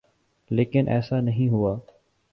لیکن ایسا نہیں ہوا۔